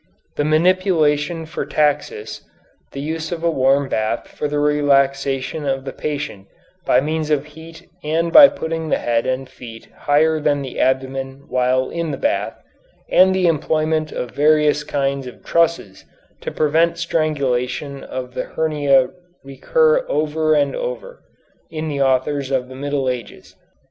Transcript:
The manipulations for taxis, the use of a warm bath for the relaxation of the patient by means of heat and by putting the head and feet higher than the abdomen while in the bath, and the employment of various kinds of trusses to prevent strangulation of the hernia recur over and over again, in the authors of the Middle Ages.